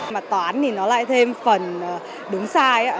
mà toán thì nó lại thêm phần đúng sai